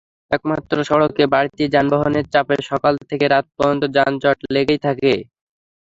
একমাত্র সড়কে বাড়তি যানবাহনের চাপে সকাল থেকে রাত পর্যন্ত যানজট লেগেই থাকে।